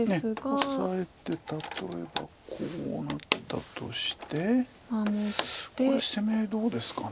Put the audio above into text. オサえて例えばこうなったとしてこれ攻め合いどうですか。